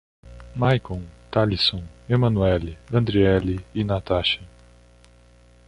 Maikon, Talisson, Emanuelle, Andrieli e Natacha